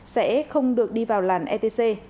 sẽ không được đi vào làn etc